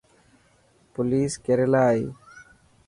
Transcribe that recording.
پوليس ڪير يلا آي.